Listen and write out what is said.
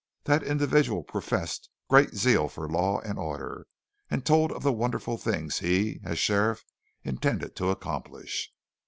That individual professed great zeal for law and order, and told of the wonderful things he, as sheriff, intended to accomplish.